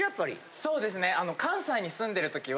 そうですね。